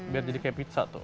biar jadi kayak pizza tuh